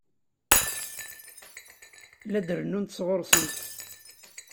La d-rennunt sɣur-sent.